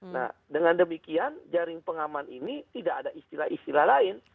nah dengan demikian jaring pengaman ini tidak ada istilah istilah lain